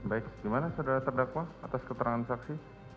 baik gimana saudara terdakwa atas keterangan saksi